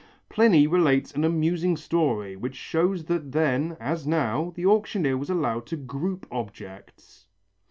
Pliny relates an amusing story, which shows that then, as now, the auctioneer was allowed to group objects.